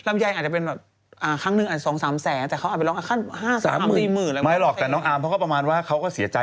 ไม่หรอกแต่น้องอาร์มเขาก็ประมาณว่าเขาก็เสียใจ